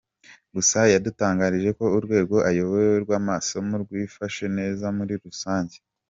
Gusa yadutangarije ko urwego ayoboye rw’amasomo rwifashe neza muri rusange.